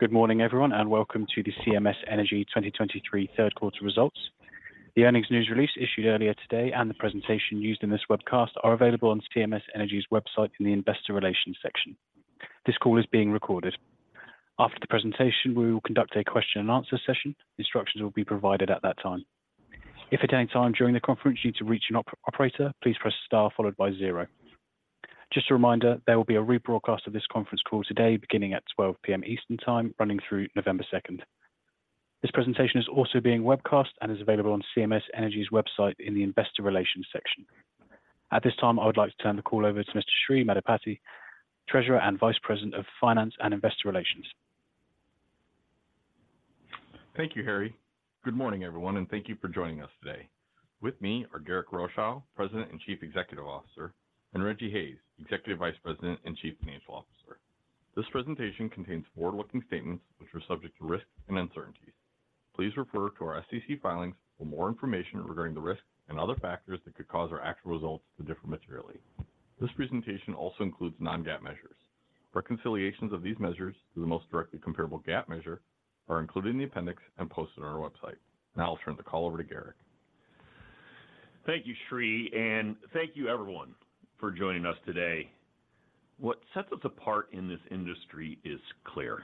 Good morning, everyone, and welcome to the CMS Energy 2023 third quarter results. The earnings news release issued earlier today and the presentation used in this webcast are available on CMS Energy's website in the Investor Relations section. This call is being recorded. After the presentation, we will conduct a question and answer session. Instructions will be provided at that time. If at any time during the conference you need to reach an operator, please press Star followed by zero. Just a reminder, there will be a rebroadcast of this conference call today, beginning at 12:00 P.M. Eastern Time, running through November 2. This presentation is also being webcast and is available on CMS Energy's website in the Investor Relations section. At this time, I would like to turn the call over to Mr. Sri Maddipati, Treasurer and Vice President of Finance and Investor Relations. Thank you, Harry. Good morning, everyone, and thank you for joining us today. With me are Garrick Rochow, President and Chief Executive Officer, and Rejji Hayes, Executive Vice President and Chief Financial Officer. This presentation contains forward-looking statements which are subject to risks and uncertainties. Please refer to our SEC filings for more information regarding the risks and other factors that could cause our actual results to differ materially. This presentation also includes non-GAAP measures. Reconciliations of these measures to the most directly comparable GAAP measure are included in the appendix and posted on our website. Now I'll turn the call over to Garrick. Thank you, Sri, and thank you everyone for joining us today. What sets us apart in this industry is clear,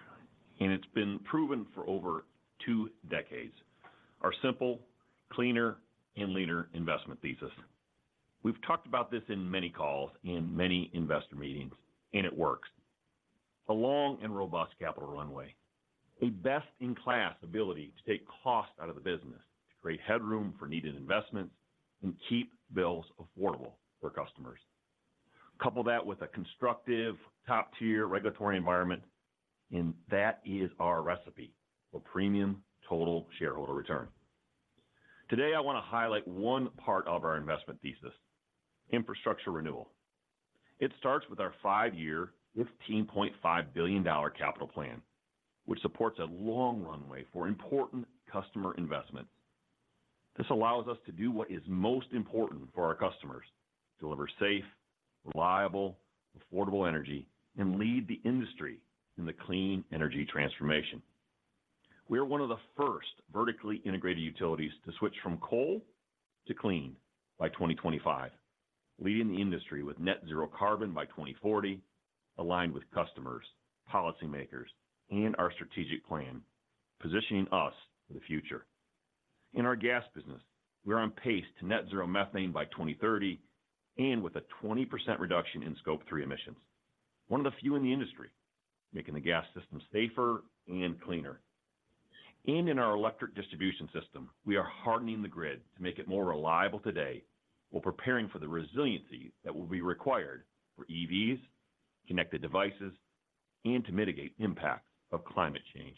and it's been proven for over two decades: our simple, cleaner, and leaner investment thesis. We've talked about this in many calls, in many investor meetings, and it works. A long and robust capital runway, a best-in-class ability to take cost out of the business, to create headroom for needed investments and keep bills affordable for customers. Couple that with a constructive, top-tier regulatory environment, and that is our recipe for premium total shareholder return. Today, I want to highlight one part of our investment thesis: infrastructure renewal. It starts with our five-year, $15.5 billion capital plan, which supports a long runway for important customer investments. This allows us to do what is most important for our customers: deliver safe, reliable, affordable energy, and lead the industry in the clean energy transformation. We are one of the first vertically integrated utilities to switch from coal to clean by 2025, leading the industry with net zero carbon by 2040, aligned with customers, policymakers, and our strategic plan, positioning us for the future. In our gas business, we are on pace to net zero methane by 2030 and with a 20% reduction in Scope 3 emissions. One of the few in the industry, making the gas system safer and cleaner. In our electric distribution system, we are hardening the grid to make it more reliable today, while preparing for the resiliency that will be required for EVs, connected devices, and to mitigate impact of climate change.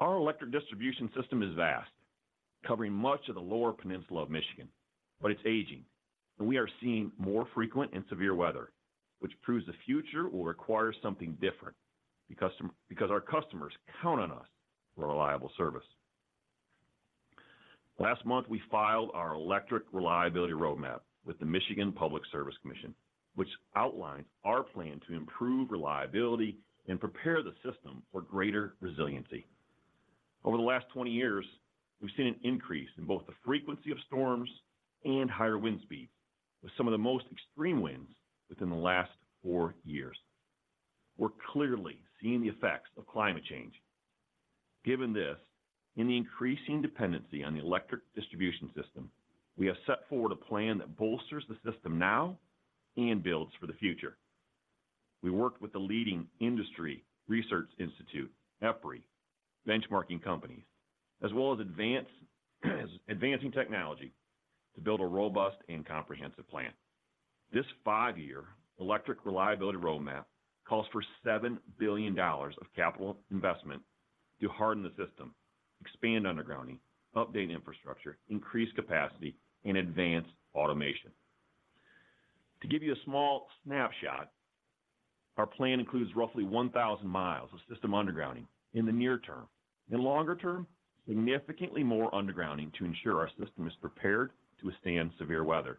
Our electric distribution system is vast, covering much of the Lower Peninsula of Michigan, but it's aging, and we are seeing more frequent and severe weather, which proves the future will require something different, because our customers count on us for reliable service. Last month, we filed our electric reliability roadmap with the Michigan Public Service Commission, which outlines our plan to improve reliability and prepare the system for greater resiliency. Over the last 20 years, we've seen an increase in both the frequency of storms and higher wind speeds, with some of the most extreme winds within the last four years. We're clearly seeing the effects of climate change. Given this, and the increasing dependency on the electric distribution system, we have set forward a plan that bolsters the system now and builds for the future. We worked with the leading industry research institute, EPRI, benchmarking companies, as well as advancing technology to build a robust and comprehensive plan. This 5-year electric reliability roadmap calls for $7 billion of capital investment to harden the system, expand undergrounding, update infrastructure, increase capacity, and advance automation. To give you a small snapshot, our plan includes roughly 1,000 miles of system undergrounding in the near term. In longer term, significantly more undergrounding to ensure our system is prepared to withstand severe weather.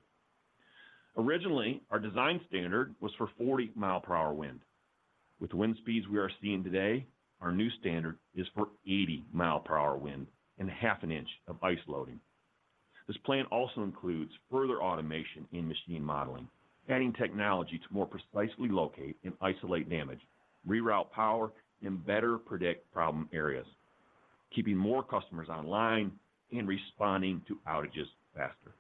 Originally, our design standard was for 40-mile-per-hour wind. With the wind speeds we are seeing today, our new standard is for 80-mile-per-hour wind and half an inch of ice loading. This plan also includes further automation in machine modeling, adding technology to more precisely locate and isolate damage, reroute power, and better predict problem areas, keeping more customers online and responding to outages faster.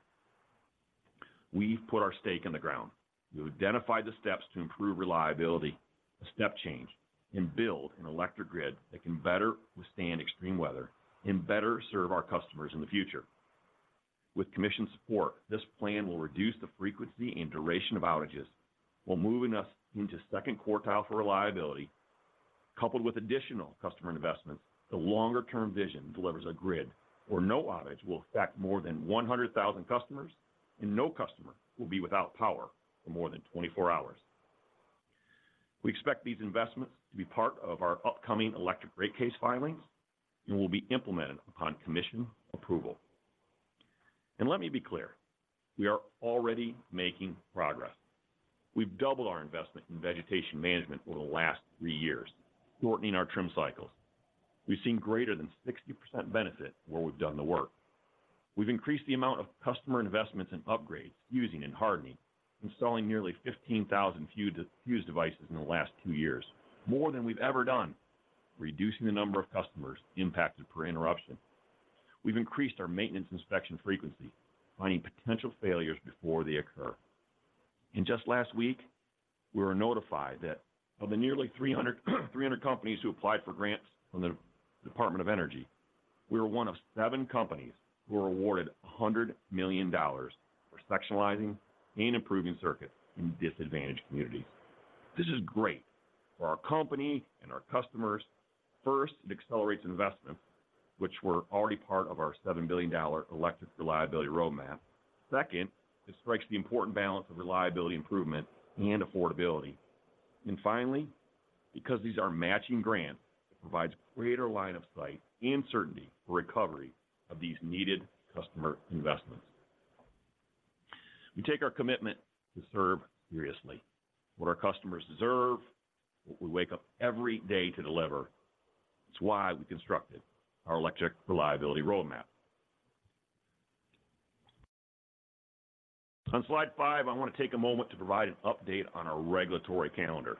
We've put our stake in the ground. We've identified the steps to improve reliability, a step change, and build an electric grid that can better withstand extreme weather and better serve our customers in the future. With commission support, this plan will reduce the frequency and duration of outages while moving us into second quartile for reliability. Coupled with additional customer investments, the longer-term vision delivers a grid where no outage will affect more than 100,000 customers, and no customer will be without power for more than 24 hours. We expect these investments to be part of our upcoming electric rate case filings and will be implemented upon commission approval.... And let me be clear, we are already making progress. We've doubled our investment in vegetation management over the last three years, shortening our trim cycles. We've seen greater than 60% benefit where we've done the work. We've increased the amount of customer investments and upgrades, using and hardening, installing nearly 15,000 fuse devices in the last two years, more than we've ever done, reducing the number of customers impacted per interruption. We've increased our maintenance inspection frequency, finding potential failures before they occur. And just last week, we were notified that of the nearly 300, 300 companies who applied for grants from the Department of Energy, we were one of seven companies who were awarded $100 million for sectionalizing and improving circuits in disadvantaged communities. This is great for our company and our customers. First, it accelerates investment, which were already part of our $7 billion electric reliability roadmap. Second, this strikes the important balance of reliability, improvement, and affordability. And finally, because these are matching grants, it provides greater line of sight and certainty for recovery of these needed customer investments. We take our commitment to serve seriously, what our customers deserve, what we wake up every day to deliver. It's why we constructed our electric reliability roadmap. On slide five, I want to take a moment to provide an update on our regulatory calendar.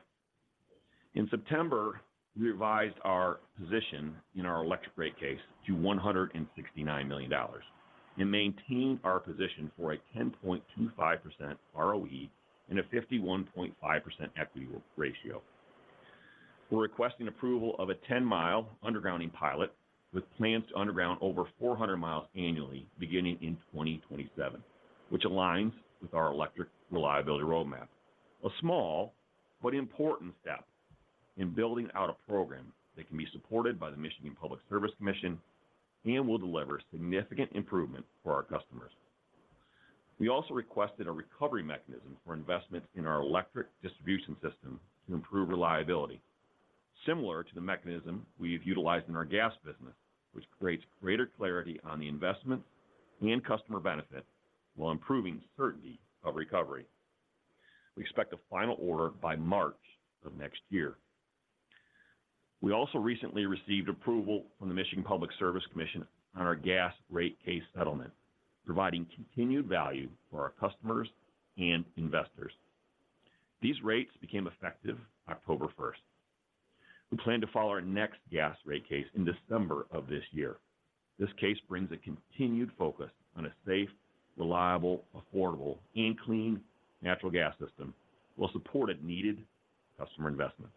In September, we revised our position in our electric rate case to $169 million, and maintained our position for a 10.25% ROE and a 51.5% equity ratio. We're requesting approval of a 10-mile undergrounding pilot, with plans to underground over 400 miles annually, beginning in 2027, which aligns with our electric reliability roadmap. A small but important step in building out a program that can be supported by the Michigan Public Service Commission, and will deliver significant improvement for our customers. We also requested a recovery mechanism for investment in our electric distribution system to improve reliability. Similar to the mechanism we've utilized in our gas business, which creates greater clarity on the investment and customer benefit while improving certainty of recovery. We expect a final order by March of next year. We also recently received approval from the Michigan Public Service Commission on our gas rate case settlement, providing continued value for our customers and investors. These rates became effective October 1st. We plan to file our next gas rate case in December of this year. This case brings a continued focus on a safe, reliable, affordable, and clean natural gas system, while supporting needed customer investment.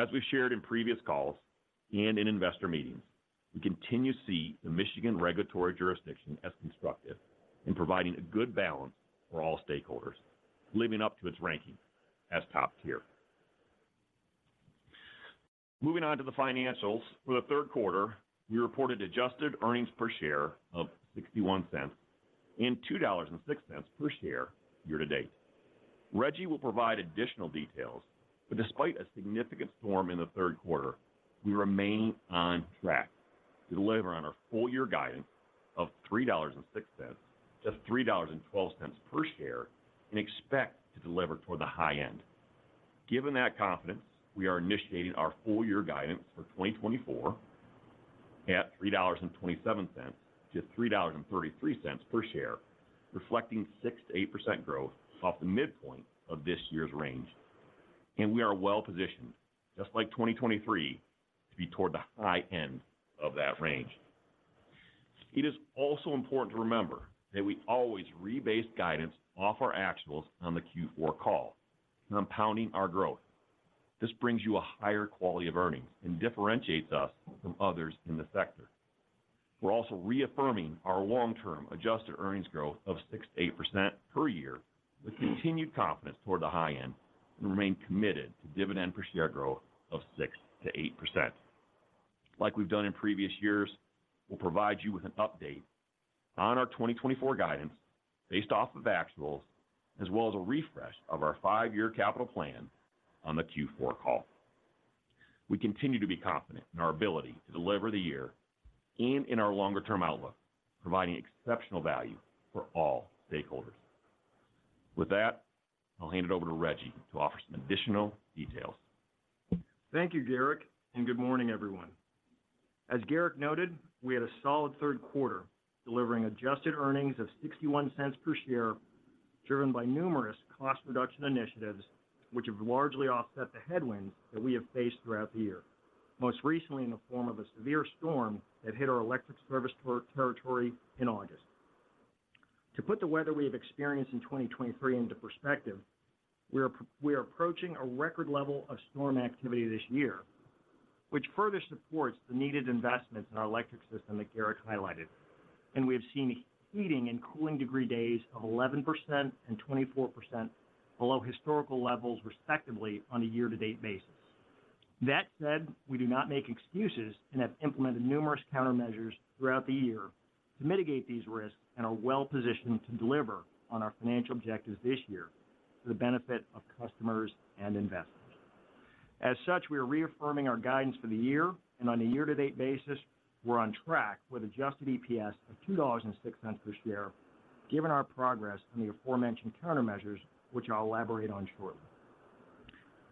As we've shared in previous calls and in investor meetings, we continue to see the Michigan regulatory jurisdiction as constructive in providing a good balance for all stakeholders, living up to its ranking as top tier. Moving on to the financials. For the third quarter, we reported adjusted earnings per share of $0.61 and $2.06 per share year-to-date. Rejji will provide additional details, but despite a significant storm in the third quarter, we remain on track to deliver on our full year guidance of $3.06-$3.12 per share, and expect to deliver toward the high end. Given that confidence, we are initiating our full year guidance for 2024 at $3.27-$3.33 per share, reflecting 6%-8% growth off the midpoint of this year's range. We are well positioned, just like 2023, to be toward the high end of that range. It is also important to remember that we always rebase guidance off our actuals on the Q4 call, compounding our growth. This brings you a higher quality of earnings and differentiates us from others in the sector. We're also reaffirming our long-term adjusted earnings growth of 6%-8% per year with continued confidence toward the high end, and remain committed to dividend per share growth of 6%-8%. Like we've done in previous years, we'll provide you with an update on our 2024 guidance based off of actuals, as well as a refresh of our five-year capital plan on the Q4 call. We continue to be confident in our ability to deliver the year and in our longer-term outlook, providing exceptional value for all stakeholders. With that, I'll hand it over to Rejji to offer some additional details. Thank you, Garrick, and good morning, everyone. As Garrick noted, we had a solid third quarter, delivering adjusted earnings of $0.61 per share, driven by numerous cost reduction initiatives, which have largely offset the headwinds that we have faced throughout the year. Most recently, in the form of a severe storm that hit our electric service territory in August. To put the weather we have experienced in 2023 into perspective, we are approaching a record level of storm activity this year, which further supports the needed investments in our electric system that Garrick highlighted. And we have seen heating and cooling degree days of 11% and 24% below historical levels, respectively, on a year-to-date basis. That said, we do not make excuses and have implemented numerous countermeasures throughout the year to mitigate these risks, and are well positioned to deliver on our financial objectives this year for the benefit of customers and investors. As such, we are reaffirming our guidance for the year, and on a year-to-date basis, we're on track with adjusted EPS of $2.06 per share, given our progress on the aforementioned countermeasures, which I'll elaborate on shortly.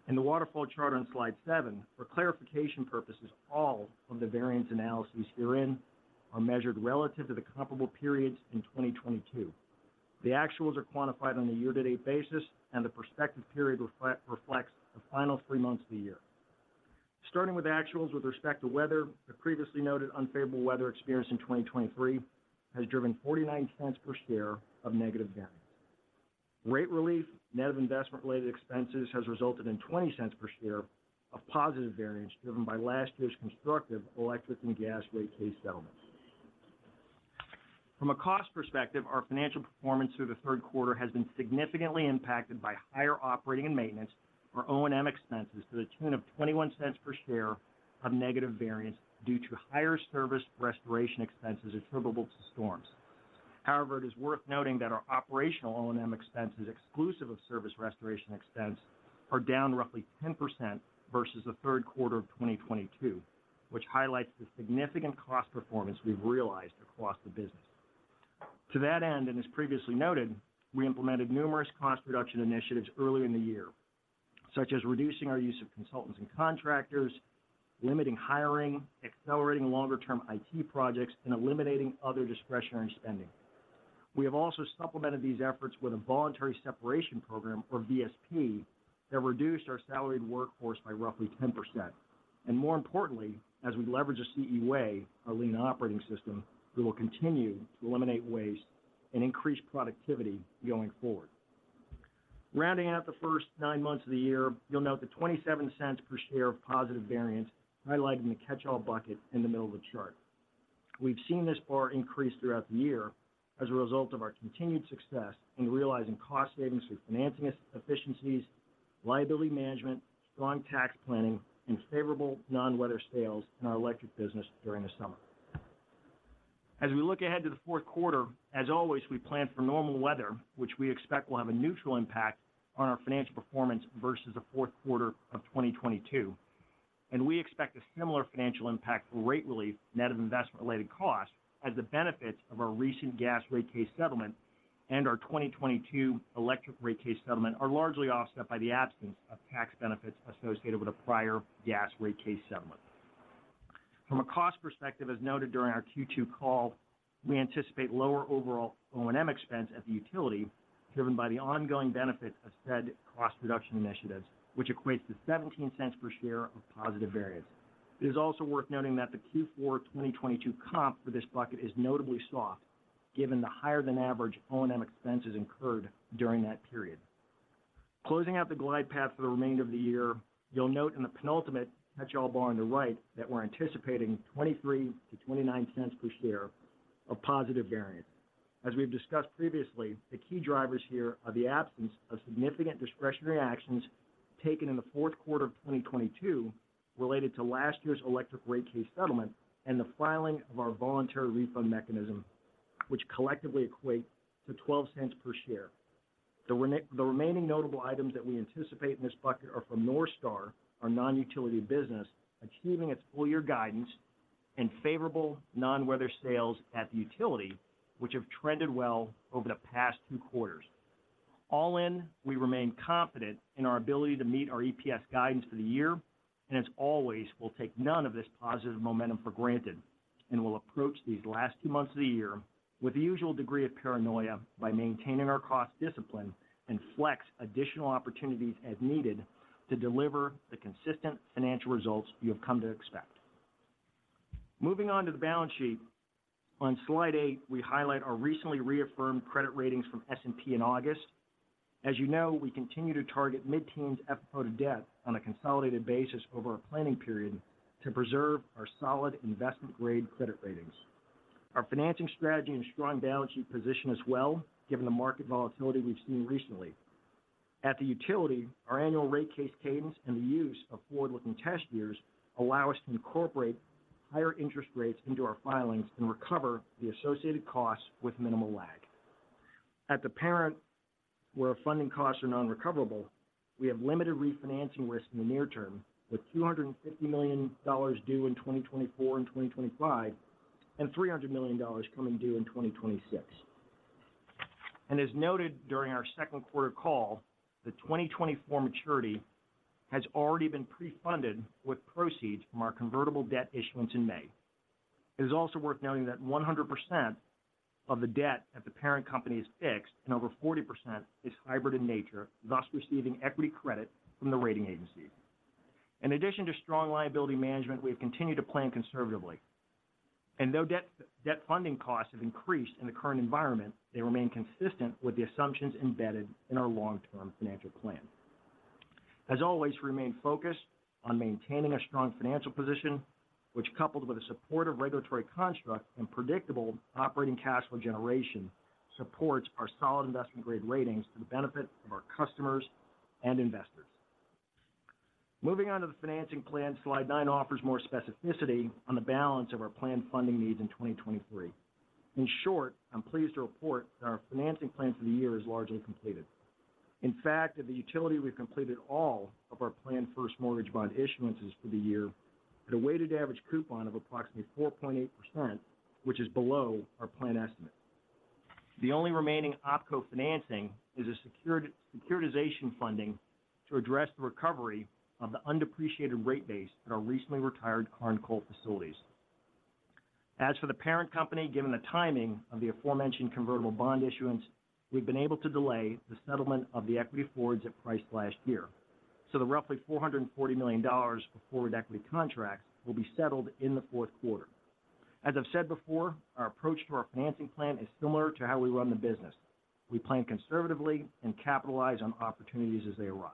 In the waterfall chart on slide 7, for clarification purposes, all of the variance analyses herein are measured relative to the comparable periods in 2022. The actuals are quantified on a year-to-date basis, and the prospective period reflects the final three months of the year. Starting with actuals with respect to weather, the previously noted unfavorable weather experienced in 2023 has driven $0.49 per share of negative variance. Rate relief, net of investment-related expenses, has resulted in $0.20 per share of positive variance, driven by last year's constructive electric and gas rate case settlement. From a cost perspective, our financial performance through the third quarter has been significantly impacted by higher operating and maintenance, or O&M expenses, to the tune of $0.21 per share of negative variance, due to higher service restoration expenses attributable to storms. However, it is worth noting that our operational O&M expenses, exclusive of service restoration expense, are down roughly 10% versus the third quarter of 2022, which highlights the significant cost performance we've realized across the business. To that end, and as previously noted, we implemented numerous cost reduction initiatives early in the year, such as reducing our use of consultants and contractors, limiting hiring, accelerating longer-term IT projects, and eliminating other discretionary spending. We have also supplemented these efforts with a voluntary separation program, or VSP, that reduced our salaried workforce by roughly 10%. More importantly, as we leverage the CE Way, our lean operating system, we will continue to eliminate waste and increase productivity going forward. Rounding out the first nine months of the year, you'll note the $0.27 per share of positive variance highlighted in the catch-all bucket in the middle of the chart. We've seen this bar increase throughout the year as a result of our continued success in realizing cost savings through financing efficiencies, liability management, strong tax planning, and favorable non-weather sales in our electric business during the summer. As we look ahead to the fourth quarter, as always, we plan for normal weather, which we expect will have a neutral impact on our financial performance versus the fourth quarter of 2022. And we expect a similar financial impact for rate relief, net of investment-related costs, as the benefits of our recent gas rate case settlement and our 2022 electric rate case settlement are largely offset by the absence of tax benefits associated with a prior gas rate case settlement. From a cost perspective, as noted during our Q2 call, we anticipate lower overall O&M expense at the utility, driven by the ongoing benefits of said cost reduction initiatives, which equates to $0.17 per share of positive variance. It is also worth noting that the Q4 2022 comp for this bucket is notably soft, given the higher-than-average O&M expenses incurred during that period. Closing out the glide path for the remainder of the year, you'll note in the penultimate catch-all bar on the right, that we're anticipating $0.23-$0.29 per share of positive variance. As we've discussed previously, the key drivers here are the absence of significant discretionary actions taken in the fourth quarter of 2022, related to last year's electric rate case settlement, and the filing of our voluntary refund mechanism, which collectively equate to $0.12 per share. The remaining notable items that we anticipate in this bucket are from NorthStar, our non-utility business, achieving its full-year guidance and favorable non-weather sales at the utility, which have trended well over the past two quarters. All in, we remain confident in our ability to meet our EPS guidance for the year, and as always, we'll take none of this positive momentum for granted, and we'll approach these last two months of the year with the usual degree of paranoia by maintaining our cost discipline, and flex additional opportunities as needed, to deliver the consistent financial results you have come to expect. Moving on to the balance sheet. On slide 8, we highlight our recently reaffirmed credit ratings from S&P in August. As you know, we continue to target mid-teens FFO to debt on a consolidated basis over our planning period, to preserve our solid investment-grade credit ratings. Our financing strategy and strong balance sheet position as well, given the market volatility we've seen recently. At the utility, our annual rate case cadence and the use of forward-looking test years allow us to incorporate higher interest rates into our filings and recover the associated costs with minimal lag. At the parent, where our funding costs are non-recoverable, we have limited refinancing risk in the near term, with $250 million due in 2024 and 2025, and $300 million coming due in 2026. As noted during our second quarter call, the 2024 maturity has already been pre-funded with proceeds from our convertible debt issuance in May. It is also worth noting that 100% of the debt at the parent company is fixed, and over 40% is hybrid in nature, thus receiving equity credit from the rating agencies. In addition to strong liability management, we've continued to plan conservatively, and though debt funding costs have increased in the current environment, they remain consistent with the assumptions embedded in our long-term financial plan. As always, we remain focused on maintaining a strong financial position, which, coupled with a supportive regulatory construct and predictable operating cash flow generation, supports our solid investment-grade ratings for the benefit of our customers and investors. Moving on to the financing plan, slide 9 offers more specificity on the balance of our planned funding needs in 2023. In short, I'm pleased to report that our financing plan for the year is largely completed. In fact, at the utility, we've completed all of our planned First Mortgage Bond issuances for the year at a weighted average coupon of approximately 4.8%, which is below our plan estimate. The only remaining opco financing is a securitization funding to address the recovery of the undepreciated rate base at our recently retired Karn Coal Facilities. As for the parent company, given the timing of the aforementioned convertible bond issuance, we've been able to delay the settlement of the equity forwards at priced last year. So the roughly $440 million of forward equity contracts will be settled in the fourth quarter. As I've said before, our approach to our financing plan is similar to how we run the business. We plan conservatively and capitalize on opportunities as they arise.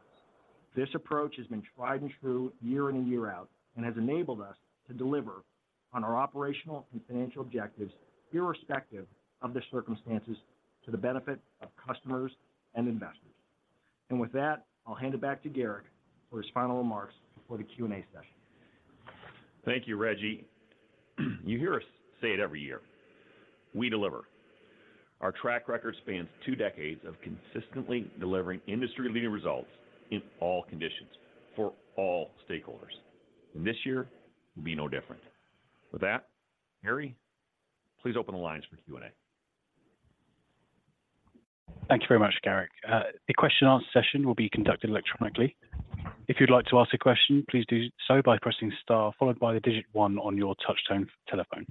This approach has been tried and true year in and year out, and has enabled us to deliver on our operational and financial objectives, irrespective of the circumstances, to the benefit of customers and investors. With that, I'll hand it back to Garrick for his final remarks before the Q&A session. Thank you, Rejji. You hear us say it every year: we deliver. Our track record spans two decades of consistently delivering industry-leading results in all conditions for all stakeholders, and this year will be no different. With that, Harry, please open the lines for Q&A. Thank you very much, Garrick. The question and answer session will be conducted electronically. If you'd like to ask a question, please do so by pressing star, followed by the digit one on your touchtone telephone.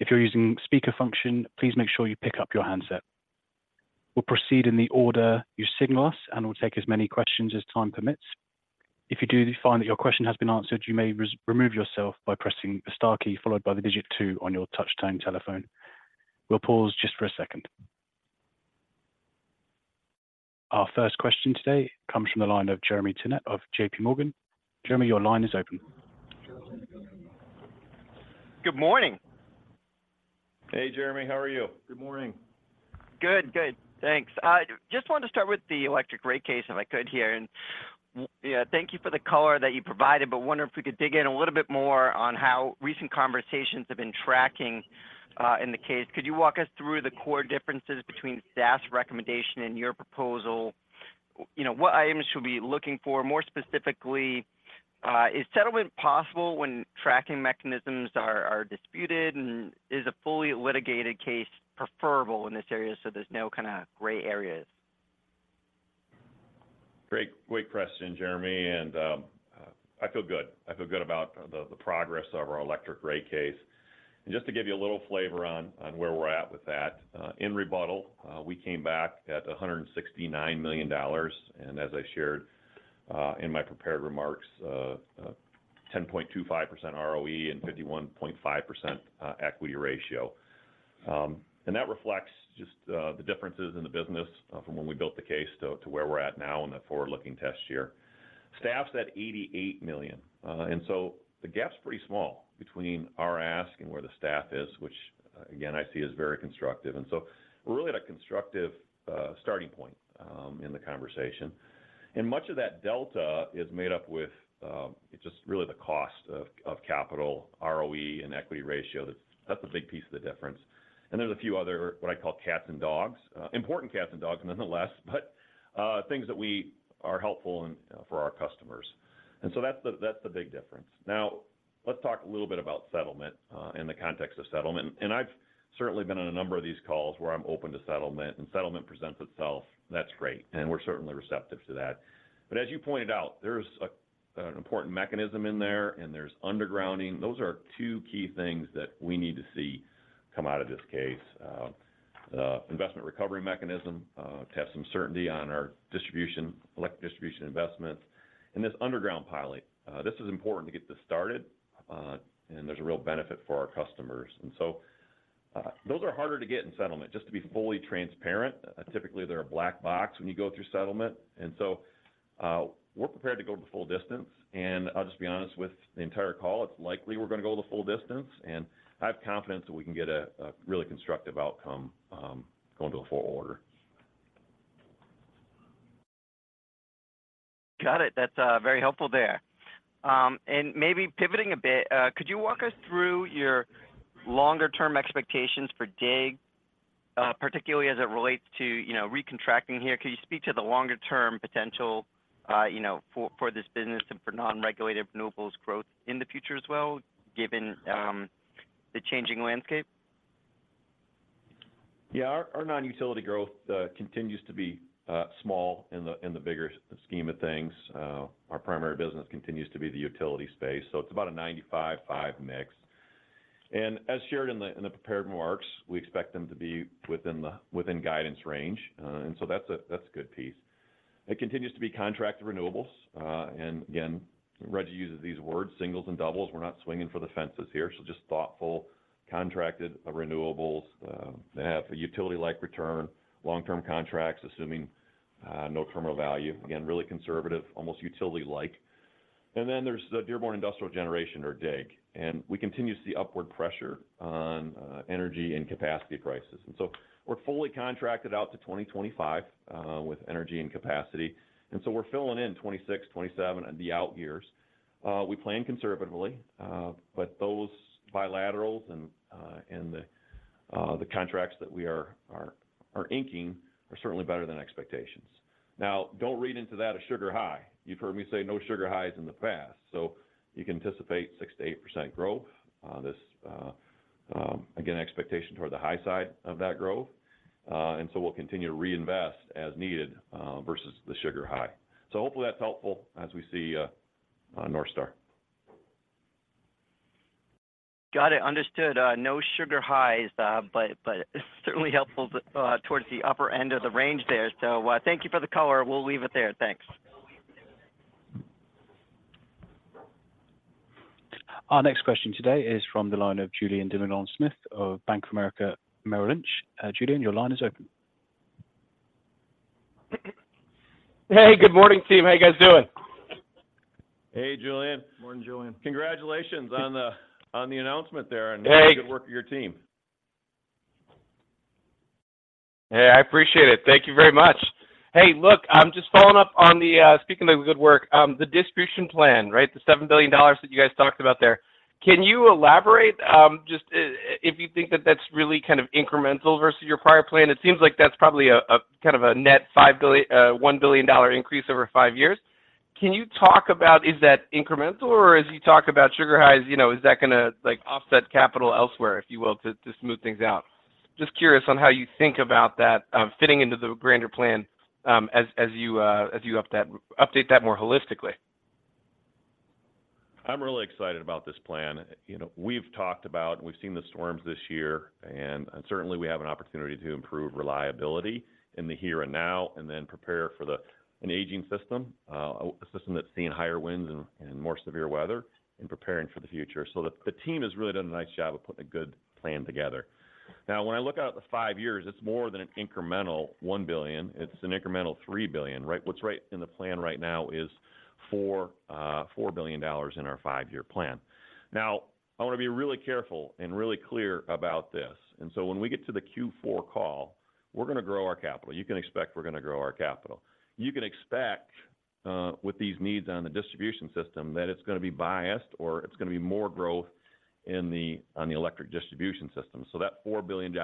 If you're using speaker function, please make sure you pick up your handset. We'll proceed in the order you signal us, and we'll take as many questions as time permits. If you do find that your question has been answered, you may remove yourself by pressing the star key, followed by the digit two on your touchtone telephone. We'll pause just for a second. Our first question today comes from the line of Jeremy Tonet of J.P. Morgan. Jeremy, your line is open. Good morning! Hey, Jeremy, how are you? Good morning. Good, good. Thanks. I just wanted to start with the electric rate case, if I could, here. Yeah, thank you for the color that you provided, but wonder if we could dig in a little bit more on how recent conversations have been tracking in the case. Could you walk us through the core differences between staff's recommendation and your proposal? You know, what items should we be looking for? More specifically, is settlement possible when tracking mechanisms are disputed, and is a fully litigated case preferable in this area, so there's no kind of gray areas? Great, great question, Jeremy, and I feel good. I feel good about the progress of our electric rate case. And just to give you a little flavor on where we're at with that, in rebuttal, we came back at $169 million, and as I shared in my prepared remarks, a 10.25% ROE and 51.5% equity ratio. And that reflects just the differences in the business from when we built the case to where we're at now in the forward-looking test year. Staff's at $88 million, and so the gap's pretty small between our ask and where the staff is, which again, I see as very constructive. And so we're really at a constructive starting point in the conversation. Much of that delta is made up with just really the cost of capital, ROE, and equity ratio. That's a big piece of the difference. There's a few other, what I call cats and dogs, important cats and dogs, nonetheless, but things that we are helpful and for our customers. So that's the big difference. Now, let's talk a little bit about settlement in the context of settlement. I've certainly been on a number of these calls where I'm open to settlement, and settlement presents itself, that's great, and we're certainly receptive to that. But as you pointed out, there's an important mechanism in there, and there's undergrounding. Those are two key things that we need to see come out of this case. Investment recovery mechanism to have some certainty on our distribution, electric distribution investments, and this underground pilot. This is important to get this started, and there's a real benefit for our customers. And so, those are harder to get in settlement, just to be fully transparent. Typically, they're a black box when you go through settlement. And so, we're prepared to go the full distance, and I'll just be honest with the entire call, it's likely we're going to go the full distance, and I have confidence that we can get a really constructive outcome, going to a full order. Got it. That's very helpful there. And maybe pivoting a bit, could you walk us through your longer-term expectations for DIG, particularly as it relates to, you know, recontracting here? Could you speak to the longer-term potential, you know, for this business and for non-regulated renewables growth in the future as well, given the changing landscape? Yeah. Our non-utility growth continues to be small in the bigger scheme of things. Our primary business continues to be the utility space, so it's about a 95-5 mix. And as shared in the prepared remarks, we expect them to be within guidance range, and so that's a good piece. It continues to be contracted renewables, and again, Rejji uses these words, singles and doubles. We're not swinging for the fences here, so just thoughtful, contracted renewables that have a utility-like return, long-term contracts, assuming no terminal value. Again, really conservative, almost utility-like. And then there's the Dearborn Industrial Generation, or DIG, and we continue to see upward pressure on energy and capacity prices. We're fully contracted out to 2025 with energy and capacity, so we're filling in 2026, 2027, and the out years. We plan conservatively, but those bilaterals and the contracts that we are inking are certainly better than expectations. Now, don't read into that a sugar high. You've heard me say no sugar highs in the past, so you can anticipate 6%-8% growth. This, again, expectation toward the high side of that growth. And so we'll continue to reinvest as needed versus the sugar high. So hopefully that's helpful as we see NorthStar. Got it. Understood. No sugar highs, but it's certainly helpful towards the upper end of the range there. So, thank you for the color. We'll leave it there. Thanks. Our next question today is from the line of Julien Dumoulin-Smith of Bank of America Merrill Lynch. Julien, your line is open. Hey, good morning, team. How you guys doing? Hey, Julien. Morning, Julien. Congratulations on the announcement there- Hey- The good work of your team. Hey, I appreciate it. Thank you very much. Hey, look, I'm just following up on the, speaking of the good work, the distribution plan, right? The $7 billion that you guys talked about there. Can you elaborate, just, if you think that that's really kind of incremental versus your prior plan? It seems like that's probably a kind of a net $1 billion dollar increase over five years. Can you talk about, is that incremental or as you talk about sugar highs, you know, is that gonna like offset capital elsewhere, if you will, to smooth things out? Just curious on how you think about that, fitting into the grander plan, as you update that more holistically. I'm really excited about this plan. You know, we've talked about, we've seen the storms this year, and, and certainly we have an opportunity to improve reliability in the here and now, and then prepare for the, an aging system, a system that's seeing higher winds and, and more severe weather, and preparing for the future. So the, the team has really done a nice job of putting a good plan together. Now, when I look out at the five years, it's more than an incremental $1 billion; it's an incremental $3 billion, right? What's right in the plan right now is $4 billion in our five-year plan. Now, I want to be really careful and really clear about this, and so when we get to the Q4 call, we're gonna grow our capital. You can expect we're gonna grow our capital. You can expect, with these needs on the distribution system, that it's gonna be biased or it's gonna be more growth on the electric distribution system. So that $4 billion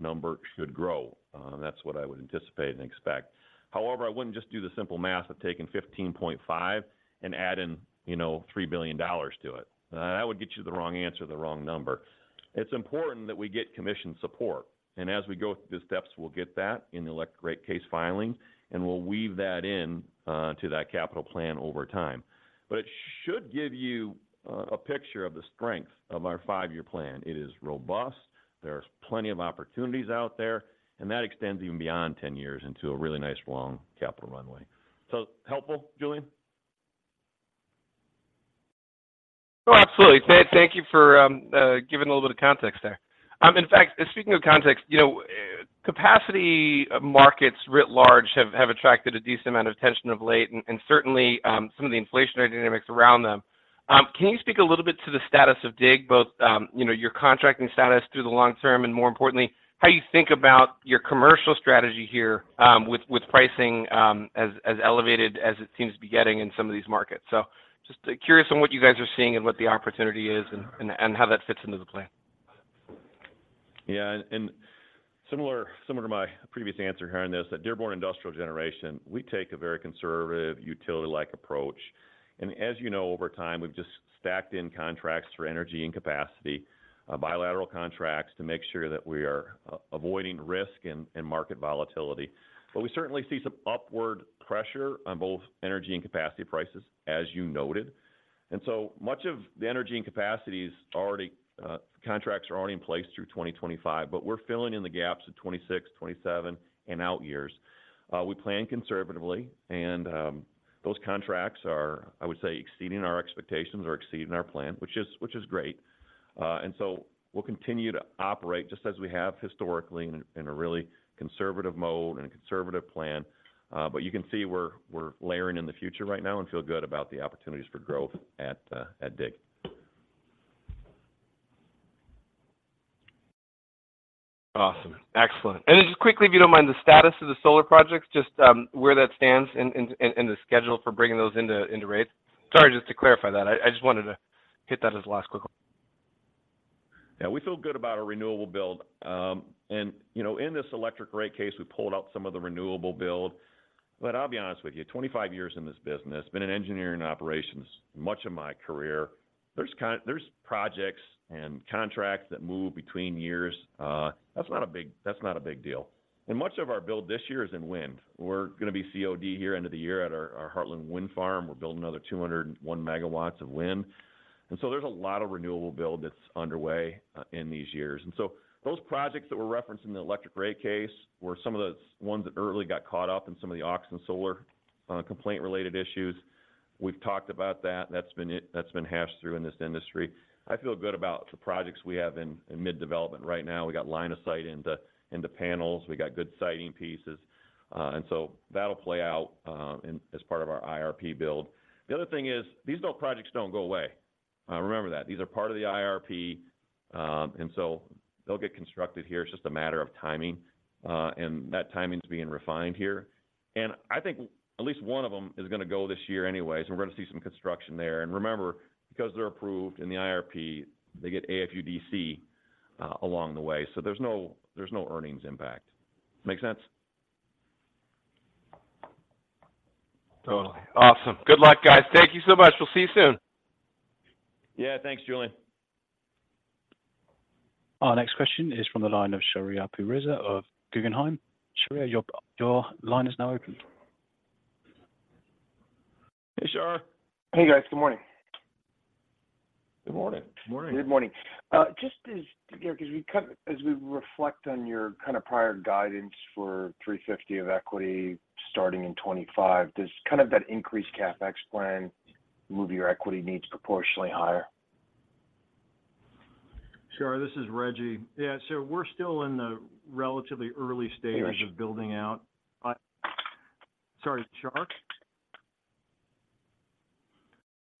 number should grow, and that's what I would anticipate and expect. However, I wouldn't just do the simple math of taking $15.5 billion and adding, you know, $3 billion to it. That would get you the wrong answer, the wrong number. It's important that we get commission support, and as we go through the steps, we'll get that in the electric rate case filing, and we'll weave that in, to that capital plan over time. But it should give you a picture of the strength of our five-year plan. It is robust, there are plenty of opportunities out there, and that extends even beyond 10 years into a really nice, long capital runway. So helpful, Julien? Oh, absolutely. Thank you for giving a little bit of context there. In fact, speaking of context, you know, capacity markets writ large have attracted a decent amount of attention of late, and certainly some of the inflationary dynamics around them. Can you speak a little bit to the status of DIG, both, you know, your contracting status through the long term, and more importantly, how you think about your commercial strategy here, with pricing, as elevated as it seems to be getting in some of these markets? So just curious on what you guys are seeing and what the opportunity is and how that fits into the plan. Yeah, and similar to my previous answer here on this, at Dearborn Industrial Generation, we take a very conservative, utility-like approach. And as you know, over time, we've just stacked in contracts for energy and capacity, bilateral contracts, to make sure that we are avoiding risk and market volatility. But we certainly see some upward pressure on both energy and capacity prices, as you noted. And so much of the energy and capacities already contracts are already in place through 2025, but we're filling in the gaps of 2026, 2027, and out years. We plan conservatively, and those contracts are, I would say, exceeding our expectations or exceeding our plan, which is great. And so we'll continue to operate just as we have historically in a really conservative mode and a conservative plan, but you can see we're layering in the future right now and feel good about the opportunities for growth at DIG. Awesome. Excellent. And just quickly, if you don't mind, the status of the solar projects, just, where that stands in the schedule for bringing those into rates? Sorry, just to clarify that. I just wanted to hit that as last quick one. Yeah, we feel good about our renewable build. And, you know, in this electric rate case, we pulled out some of the renewable build. But I'll be honest with you, 25 years in this business, been in engineering operations much of my career, there's projects and contracts that move between years. That's not a big, that's not a big deal. And much of our build this year is in wind. We're gonna be COD here end of the year at our, our Heartland Wind Farm. We're building another 201 megawatts of wind. And so there's a lot of renewable build that's underway, in these years. And so those projects that were referenced in the electric rate case were some of the ones that early got caught up in some of the auction solar, complaint-related issues. We've talked about that, and that's been hashed through in this industry. I feel good about the projects we have in mid-development right now. We got line of sight into panels. We got good siting pieces, and so that'll play out in as part of our IRP build. The other thing is, these build projects don't go away. Remember that these are part of the IRP, and so they'll get constructed here. It's just a matter of timing, and that timing's being refined here. I think at least one of them is gonna go this year anyways, and we're gonna see some construction there. Remember, because they're approved in the IRP, they get AFUDC along the way, so there's no earnings impact. Make sense? Totally. Awesome. Good luck, guys. Thank you so much. We'll see you soon. Yeah, thanks, Julien. Our next question is from the line of Shar Pourreza of Guggenheim. Shar, your line is now open. Hey, Shar. Hey, guys. Good morning. Good morning. Good morning. Good morning. Just as, Garrick, as we reflect on your prior guidance for $350 million of equity starting in 2025, does that increased CapEx plan move your equity needs proportionally higher? Shar, this is Rejji. Yeah, so we're still in the relatively early stages- Hey, Rejji.... of building out. Sorry, Char?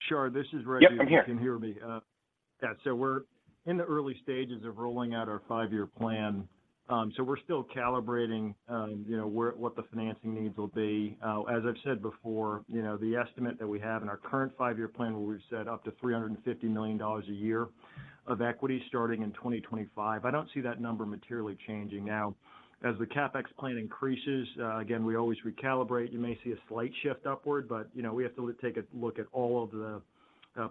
Char, this is Rejji. Yep, I'm here. If you can hear me. Yeah, so we're in the early stages of rolling out our five-year plan. So we're still calibrating, you know, where, what the financing needs will be. As I've said before, you know, the estimate that we have in our current five-year plan, where we've said up to $350 million a year of equity starting in 2025, I don't see that number materially changing. Now, as the CapEx plan increases, again, we always recalibrate. You may see a slight shift upward, but, you know, we have to take a look at all of the,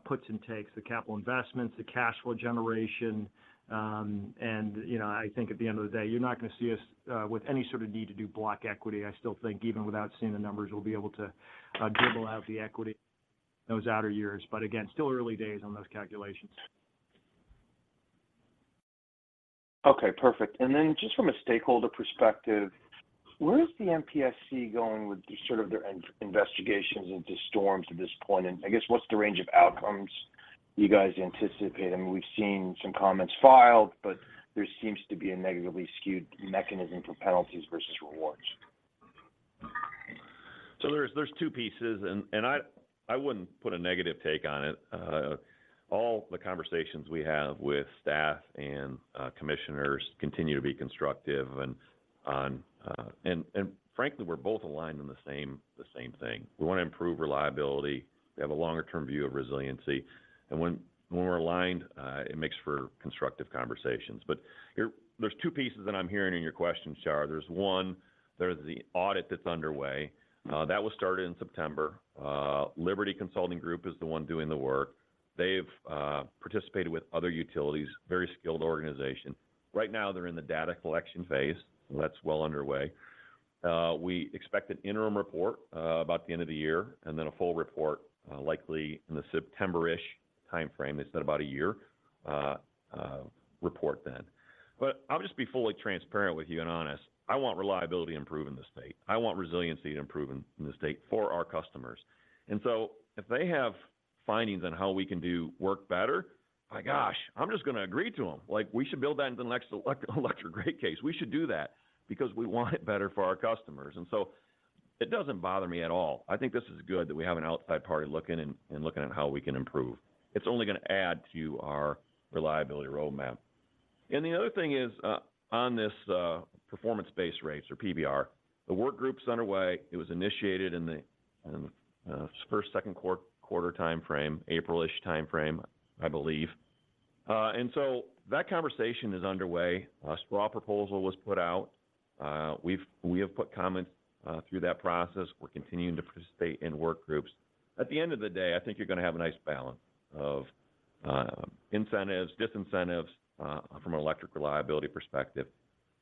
puts and takes, the capital investments, the cash flow generation. And, you know, I think at the end of the day, you're not gonna see us, with any sort of need to do block equity. I still think even without seeing the numbers, we'll be able to figure out the equity those outer years. But again, still early days on those calculations. Okay, perfect. And then just from a stakeholder perspective, where is the MPSC going with the sort of their investigations into storms at this point? And I guess, what's the range of outcomes you guys anticipate? I mean, we've seen some comments filed, but there seems to be a negatively skewed mechanism for penalties versus rewards. So there's two pieces, and I wouldn't put a negative take on it. All the conversations we have with staff and commissioners continue to be constructive and on... And frankly, we're both aligned on the same thing. We want to improve reliability, have a longer-term view of resiliency, and when we're aligned, it makes for constructive conversations. But there's two pieces that I'm hearing in your question, Char. There's one, there's the audit that's underway. That was started in September. Liberty Consulting Group is the one doing the work. They've participated with other utilities, very skilled organization. Right now, they're in the data collection phase, and that's well underway. We expect an interim report about the end of the year, and then a full report likely in the September-ish timeframe. It's been about a year, report then. But I'll just be fully transparent with you and honest, I want reliability improved in the state. I want resiliency improved in the state for our customers. And so if they have findings on how we can do work better, my gosh, I'm just gonna agree to them. Like, we should build that into the next electric rate case. We should do that because we want it better for our customers. And so it doesn't bother me at all. I think this is good that we have an outside party looking and looking at how we can improve. It's only gonna add to our reliability roadmap. And the other thing is, on this, performance-based rates, or PBR, the work group's underway. It was initiated in the first, second quarter timeframe, April-ish timeframe, I believe. And so that conversation is underway. A straw proposal was put out. We have put comments through that process. We're continuing to participate in work groups. At the end of the day, I think you're gonna have a nice balance of incentives, disincentives from an electric reliability perspective.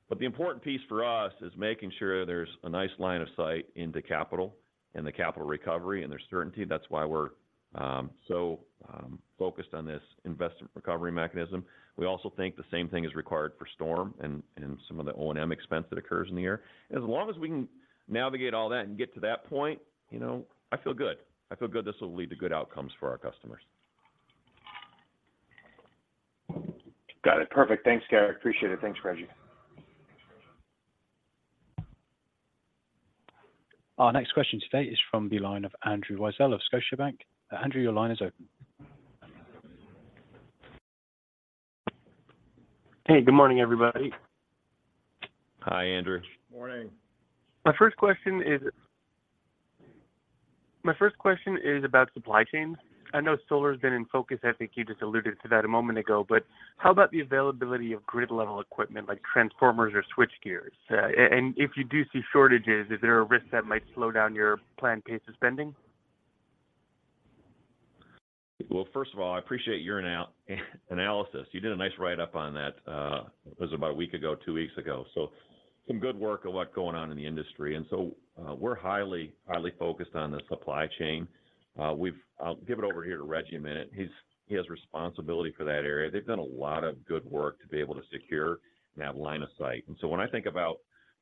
But the important piece for us is making sure there's a nice line of sight into capital and the capital recovery, and there's certainty. That's why we're so focused on this investment recovery mechanism. We also think the same thing is required for storm and some of the O&M expense that occurs in the year. As long as we can navigate all that and get to that point, you know, I feel good. I feel good, this will lead to good outcomes for our customers. Got it. Perfect. Thanks, Garrick. Appreciate it. Thanks, Rejji. Our next question today is from the line of Andrew Weisel of Scotiabank. Andrew, your line is open. Hey, good morning, everybody. Hi, Andrew. Morning. My first question is... My first question is about supply chain. I know solar's been in focus. I think you just alluded to that a moment ago, but how about the availability of grid-level equipment like transformers or switchgear? And if you do see shortages, is there a risk that might slow down your planned pace of spending? Well, first of all, I appreciate your analysis. You did a nice write-up on that. It was about a week ago, two weeks ago. So some good work on what's going on in the industry. And so, we're highly, highly focused on the supply chain. I'll give it over here to Rejji in a minute. He's, he has responsibility for that area. They've done a lot of good work to be able to secure that line of sight. And so when I think about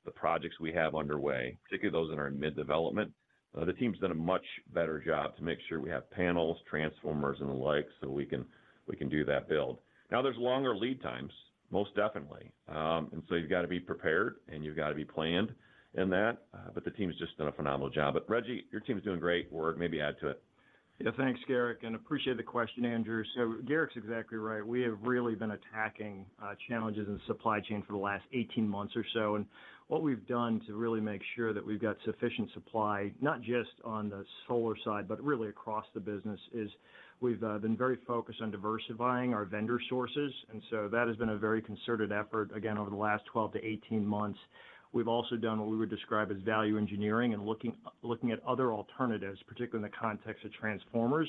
the projects we have underway, particularly those that are in mid-development, the team's done a much better job to make sure we have panels, transformers, and the like, so we can do that build. Now there's longer lead times, most definitely. And so you've got to be prepared, and you've got to be planned in that, but the team has just done a phenomenal job. But Rejji, your team is doing great work. Maybe add to it. Yeah, thanks, Garrick, and appreciate the question, Andrew. So Garrick's exactly right. We have really been attacking challenges in supply chain for the last 18 months or so. And what we've done to really make sure that we've got sufficient supply, not just on the solar side, but really across the business, is we've been very focused on diversifying our vendor sources. And so that has been a very concerted effort, again, over the last 12-18 months. We've also done what we would describe as value engineering and looking at other alternatives, particularly in the context of transformers,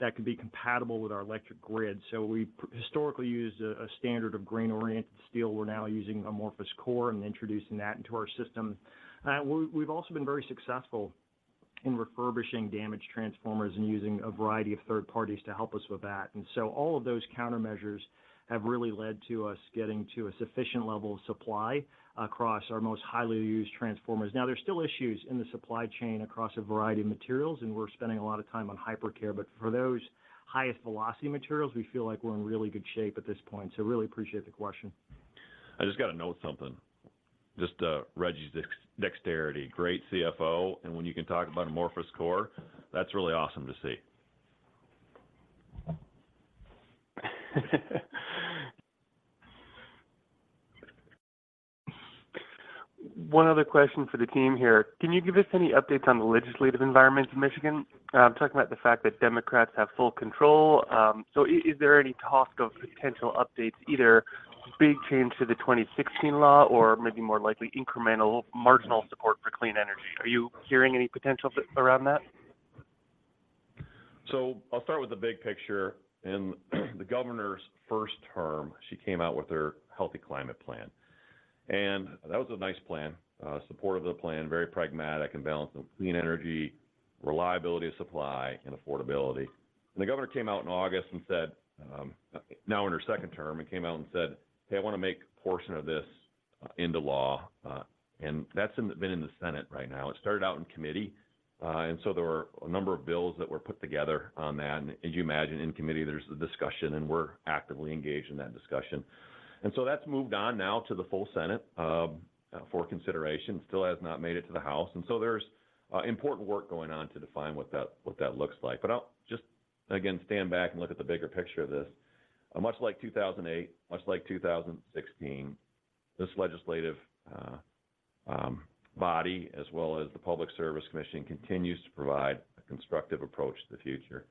that could be compatible with our electric grid. So we historically used a standard of grain-oriented steel. We're now using amorphous core and introducing that into our system. We've also been very successful in refurbishing damaged transformers and using a variety of third parties to help us with that. And so all of those countermeasures have really led to us getting to a sufficient level of supply across our most highly used transformers. Now, there's still issues in the supply chain across a variety of materials, and we're spending a lot of time on hypercare, but for those highest velocity materials, we feel like we're in really good shape at this point. So really appreciate the question. I just got to note something. Just, Rejji's dexterity. Great CFO, and when you can talk about amorphous core, that's really awesome to see. One other question for the team here: Can you give us any updates on the legislative environment in Michigan? I'm talking about the fact that Democrats have full control. So, is there any talk of potential updates, either big change to the 2016 law or maybe more likely, incremental marginal support for clean energy? Are you hearing any potential around that? So I'll start with the big picture. In the Governor's first term, she came out with her healthy climate plan, and that was a nice plan. Supportive of the plan, very pragmatic and balanced on clean energy, reliability of supply, and affordability. And the Governor came out in August and said, now in her second term, and came out and said, "Hey, I want to make a portion of this into law." And that's been in the Senate right now. It started out in committee, and so there were a number of bills that were put together on that. And as you imagine, in committee, there's the discussion, and we're actively engaged in that discussion. And so that's moved on now to the full Senate, for consideration. Still has not made it to the House. And so there's important work going on to define what that looks like. But I'll just, again, stand back and look at the bigger picture of this. Much like 2008, much like 2016, this legislative body, as well as the Public Service Commission, continues to provide a constructive approach to the future.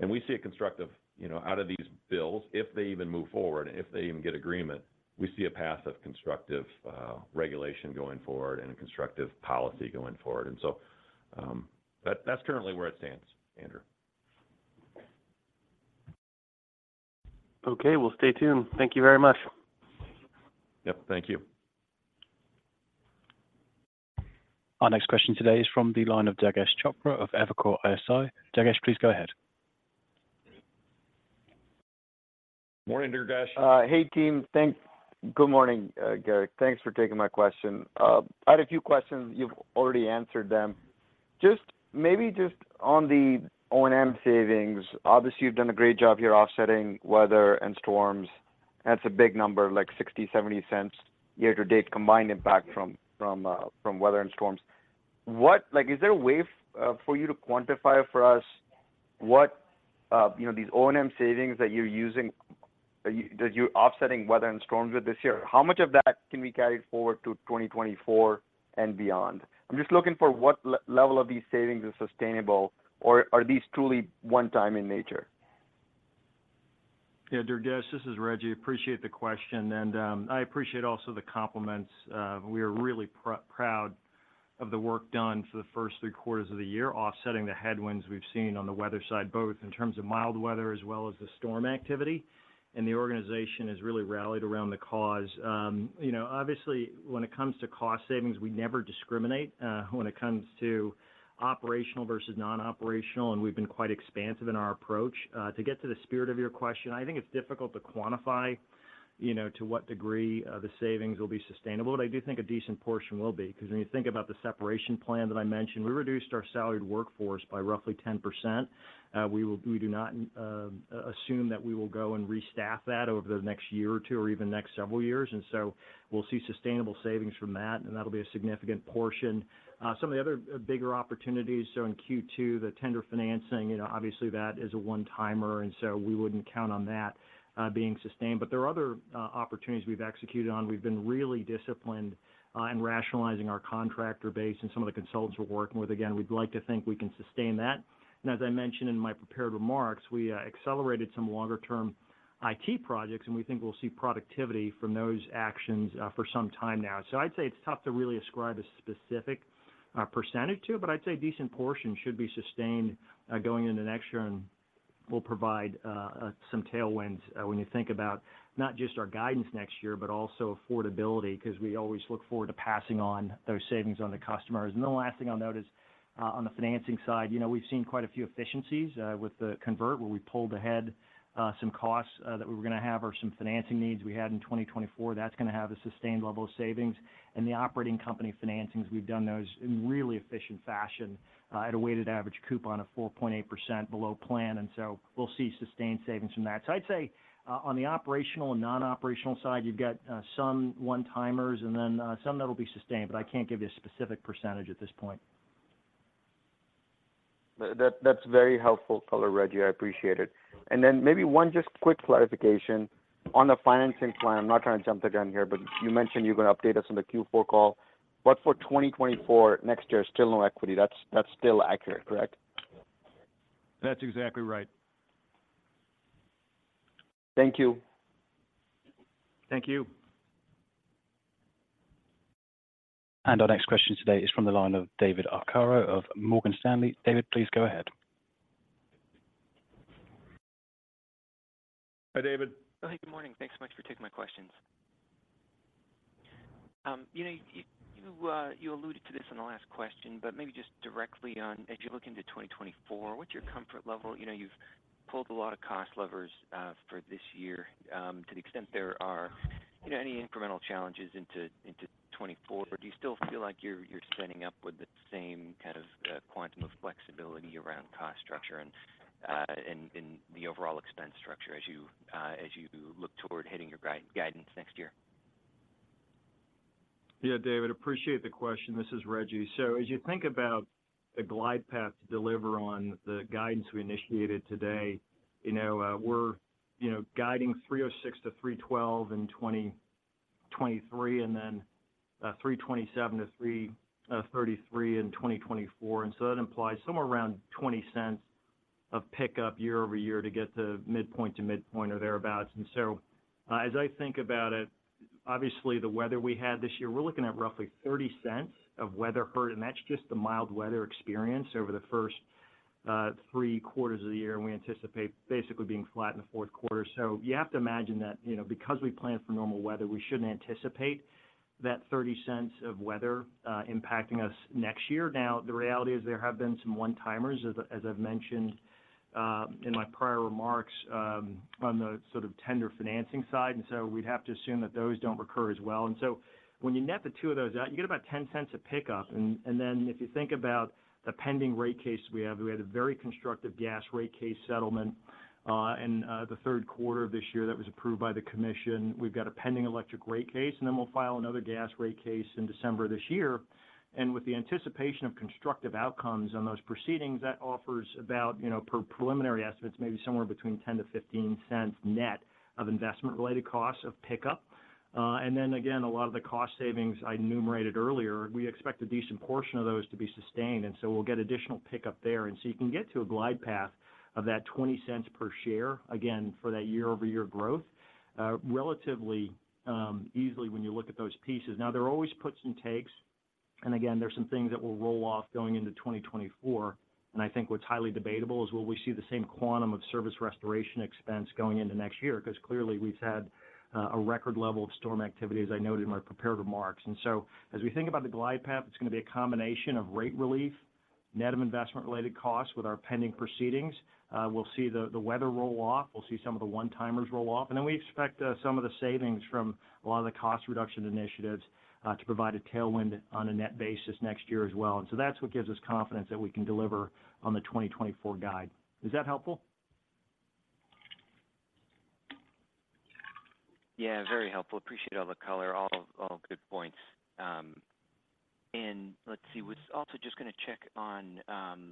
And we see a constructive, you know, out of these bills, if they even move forward, if they even get agreement, we see a path of constructive regulation going forward and a constructive policy going forward. And so, that, that's currently where it stands, Andrew. Okay, we'll stay tuned. Thank you very much. Yep, thank you. Our next question today is from the line of Durgesh Chopra of Evercore ISI. Durgesh, please go ahead. Morning, Durgesh. Hey, team. Good morning, Garrick. Thanks for taking my question. I had a few questions, you've already answered them. Just maybe just on the O&M savings, obviously, you've done a great job here offsetting weather and storms, and it's a big number, like $0.60-$0.70 year to date, combined impact from weather and storms. Like, is there a way for you to quantify for us what, you know, these O&M savings that you're using, that you, that you're offsetting weather and storms with this year, how much of that can be carried forward to 2024 and beyond? I'm just looking for what level of these savings is sustainable, or are these truly one time in nature? Yeah, Durgesh, this is Rejji. Appreciate the question, and I appreciate also the compliments. We are really proud of the work done for the first three quarters of the year, offsetting the headwinds we've seen on the weather side, both in terms of mild weather as well as the storm activity, and the organization has really rallied around the cause. You know, obviously, when it comes to cost savings, we never discriminate when it comes to operational versus non-operational, and we've been quite expansive in our approach. To get to the spirit of your question, I think it's difficult to quantify, you know, to what degree the savings will be sustainable. But I do think a decent portion will be, because when you think about the separation plan that I mentioned, we reduced our salaried workforce by roughly 10%. We do not assume that we will go and restaff that over the next year or two or even next several years. And so we'll see sustainable savings from that, and that'll be a significant portion. Some of the other bigger opportunities, so in Q2, the tender financing, you know, obviously that is a one-timer, and so we wouldn't count on that being sustained. But there are other opportunities we've executed on. We've been really disciplined in rationalizing our contractor base and some of the consultants we're working with. Again, we'd like to think we can sustain that. And as I mentioned in my prepared remarks, we accelerated some longer term IT projects, and we think we'll see productivity from those actions for some time now. So I'd say it's tough to really ascribe a specific percentage to, but I'd say a decent portion should be sustained going into next year and will provide some tailwinds when you think about not just our guidance next year, but also affordability, because we always look forward to passing on those savings on the customers. And the last thing I'll note is on the financing side, you know, we've seen quite a few efficiencies with the convert, where we pulled ahead some costs that we were going to have or some financing needs we had in 2024. That's going to have a sustained level of savings. And the operating company financings, we've done those in really efficient fashion at a weighted average coupon of 4.8% below plan, and so we'll see sustained savings from that. So I'd say, on the operational and non-operational side, you've got some one-timers and then some that will be sustained, but I can't give you a specific percentage at this point. ... That, that's very helpful color, Rejji. I appreciate it. And then maybe one just quick clarification on the financing plan. I'm not trying to jump the gun here, but you mentioned you're going to update us on the Q4 call. But for 2024, next year, still no equity. That's, that's still accurate, correct? That's exactly right. Thank you. Thank you. Our next question today is from the line of David Arcaro of Morgan Stanley. David, please go ahead. Hi, David. Hi, good morning. Thanks so much for taking my questions. You know, you alluded to this in the last question, but maybe just directly on as you look into 2024, what's your comfort level? You know, you've pulled a lot of cost levers for this year. To the extent there are, you know, any incremental challenges into 2024, but do you still feel like you're standing up with the same kind of quantum of flexibility around cost structure and the overall expense structure as you look toward hitting your guidance next year? Yeah, David, appreciate the question. This is Rejji. So as you think about the glide path to deliver on the guidance we initiated today, you know, we're, you know, guiding $3.06-$3.12 in 2023, and then, three twenty-seven to three thirty-three in 2024. And so that implies somewhere around 20 cents of pickup year-over-year to get to midpoint to midpoint or thereabout. And so, as I think about it, obviously, the weather we had this year, we're looking at roughly 30 cents of weather hurt, and that's just the mild weather experience over the first three quarters of the year, and we anticipate basically being flat in the fourth quarter. So you have to imagine that, you know, because we plan for normal weather, we shouldn't anticipate that 30 cents of weather impacting us next year. Now, the reality is there have been some one-timers, as I, as I've mentioned, in my prior remarks, on the sort of tender financing side, and so we'd have to assume that those don't recur as well. And so when you net the two of those out, you get about $0.10 pickup. And then if you think about the pending rate case we have, we had a very constructive gas rate case settlement in the third quarter of this year that was approved by the commission. We've got a pending electric rate case, and then we'll file another gas rate case in December this year. And with the anticipation of constructive outcomes on those proceedings, that offers about, you know, per preliminary estimates, maybe somewhere between $0.10-$0.15 net of investment-related costs of pickup. And then again, a lot of the cost savings I enumerated earlier, we expect a decent portion of those to be sustained, and so we'll get additional pickup there. And so you can get to a glide path of that $0.20 per share, again, for that year-over-year growth, relatively easily when you look at those pieces. Now, there are always puts and takes, and again, there's some things that will roll off going into 2024. And I think what's highly debatable is, will we see the same quantum of service restoration expense going into next year? Because clearly, we've had a record level of storm activity, as I noted in my prepared remarks. And so as we think about the glide path, it's going to be a combination of rate relief, net of investment-related costs with our pending proceedings. We'll see the weather roll off, we'll see some of the one-timers roll off, and then we expect some of the savings from a lot of the cost reduction initiatives to provide a tailwind on a net basis next year as well. And so that's what gives us confidence that we can deliver on the 2024 guide. Is that helpful? Yeah, very helpful. Appreciate all the color, all, all good points. And let's see. Was also just going to check on,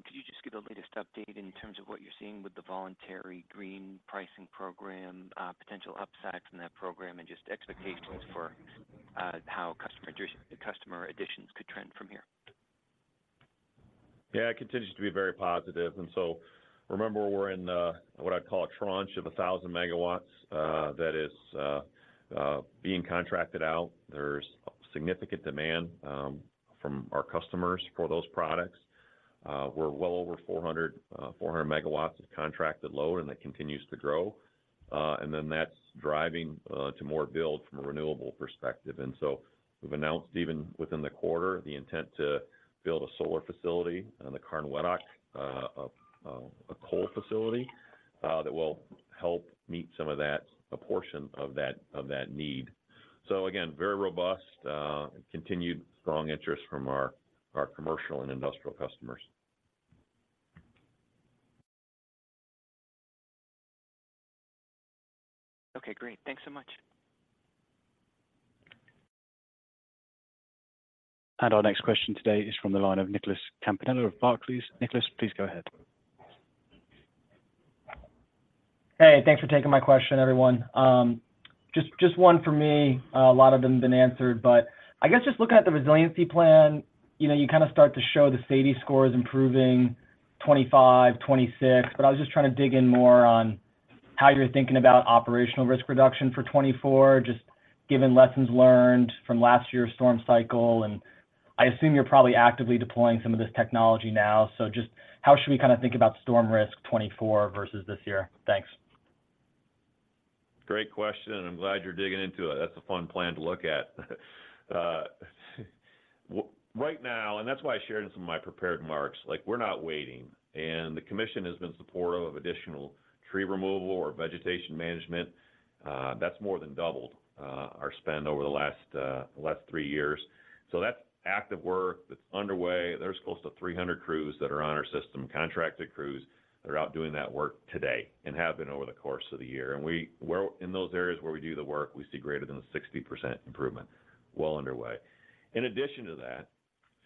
could you just give the latest update in terms of what you're seeing with the Voluntary Green Pricing Program, potential upside from that program, and just expectations for, how customer addition- customer additions could trend from here? Yeah, it continues to be very positive. And so remember, we're in what I'd call a tranche of 1,000 megawatts that is being contracted out. There's significant demand from our customers for those products. We're well over 400 MW of contracted load, and that continues to grow. And then that's driving to more build from a renewable perspective. And so we've announced, even within the quarter, the intent to build a solar facility and the Karn-Weadock a coal facility that will help meet some of that, a portion of that, of that need. So again, very robust continued strong interest from our commercial and industrial customers. Okay, great. Thanks so much. Our next question today is from the line of Nicholas Campanella of Barclays. Nicholas, please go ahead. Hey, thanks for taking my question, everyone. Just, just one for me. A lot of them have been answered, but I guess just looking at the resiliency plan, you know, you kind of start to show the safety scores improving 2025, 2026. But I was just trying to dig in more on how you're thinking about operational risk reduction for 2024, just given lessons learned from last year's storm cycle, and I assume you're probably actively deploying some of this technology now. So just how should we kind of think about storm risk 2024 versus this year? Thanks. Great question, and I'm glad you're digging into it. That's a fun plan to look at. Right now, and that's why I shared in some of my prepared remarks, like, we're not waiting. And the commission has been supportive of additional tree removal or vegetation management. That's more than doubled our spend over the last three years. So that's active work that's underway. There's close to 300 crews that are on our system, contracted crews, that are out doing that work today and have been over the course of the year. Well, in those areas where we do the work, we see greater than a 60% improvement well underway. In addition to that,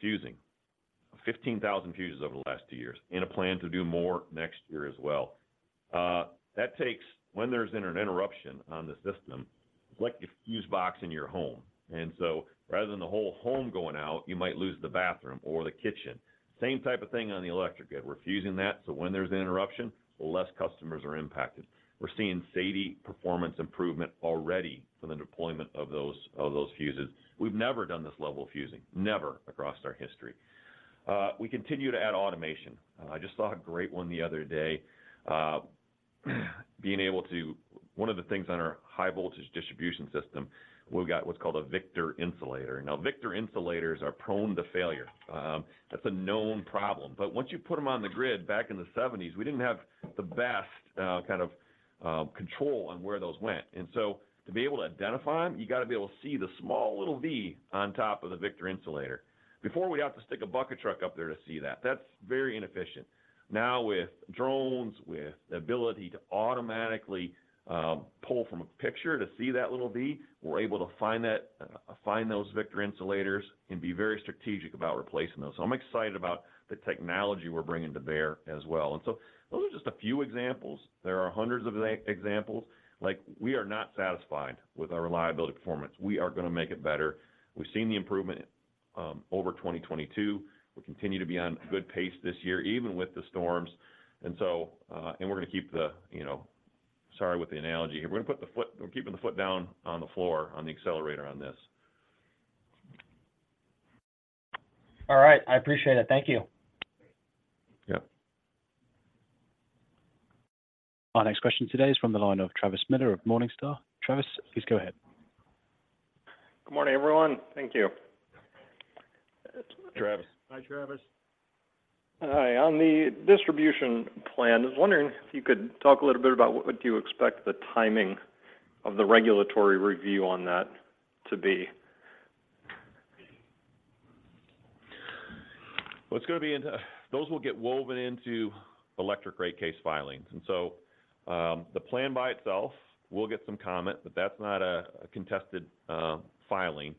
fusing.... 15,000 fuses over the last two years, and a plan to do more next year as well. That takes, when there's an interruption on the system, like a fuse box in your home, and so rather than the whole home going out, you might lose the bathroom or the kitchen. Same type of thing on the electric grid. We're fusing that, so when there's an interruption, less customers are impacted. We're seeing SAIDI performance improvement already from the deployment of those fuses. We've never done this level of fusing, never across our history. We continue to add automation. I just saw a great one the other day, being able to-- One of the things on our high-voltage distribution system, we've got what's called a Victor Insulator. Now, Victor Insulators are prone to failure. That's a known problem, but once you put them on the grid back in the 1970s, we didn't have the best kind of control on where those went. And so to be able to identify them, you got to be able to see the small little V on top of the Victor Insulator. Before, we'd have to stick a bucket truck up there to see that. That's very inefficient. Now, with drones, with the ability to automatically pull from a picture to see that little V, we're able to find that, find those Victor Insulators and be very strategic about replacing those. So I'm excited about the technology we're bringing to bear as well. And so those are just a few examples. There are hundreds of examples. Like, we are not satisfied with our reliability performance. We are going to make it better. We've seen the improvement over 2022. We continue to be on good pace this year, even with the storms. And so, and we're going to keep the, you know... Sorry with the analogy here. We're keeping the foot down on the floor, on the accelerator on this. All right. I appreciate it. Thank you. Yeah. Our next question today is from the line of Travis Miller of Morningstar. Travis, please go ahead. Good morning, everyone. Thank you. Travis. Hi, Travis. Hi. On the distribution plan, I was wondering if you could talk a little bit about what would you expect the timing of the regulatory review on that to be? Well, it's going to be into those. Those will get woven into electric rate case filings. And so, the plan by itself will get some comment, but that's not a contested filing.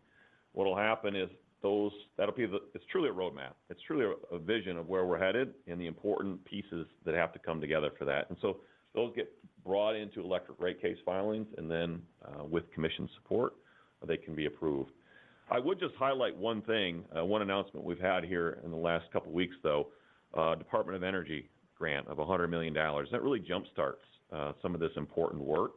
What will happen is those. That'll be the. It's truly a roadmap. It's truly a vision of where we're headed and the important pieces that have to come together for that. And so those get brought into electric rate case filings, and then, with commission support, they can be approved. I would just highlight one thing, one announcement we've had here in the last couple weeks, though, a Department of Energy grant of $100 million. That really jumpstarts some of this important work.